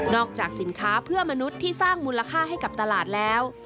จากสินค้าเพื่อมนุษย์ที่สร้างมูลค่าให้กับตลาดแล้ว